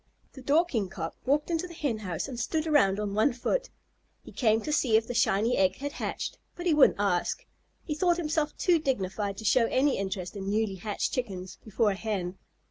The Dorking Cock walked into the Hen house and stood around on one foot. He came to see if the shiny egg had hatched, but he wouldn't ask. He thought himself too dignified to show any interest in newly hatched Chickens before a Hen.